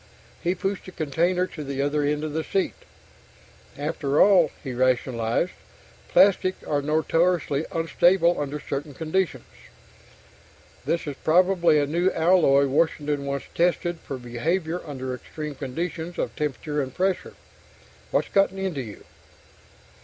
He pushed the container to the other end of the seat. After all, he rationalized, _plastics are notoriously unstable under certain conditions. This is probably a new alloy Washington wants tested for behavior under extreme conditions of temperature and pressure. What's gotten into you?